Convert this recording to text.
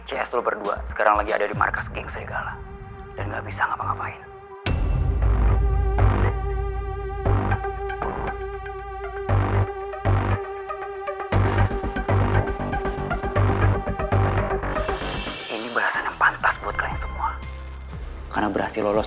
ini berhasil pantas buat kalian semua karena berhasil lolos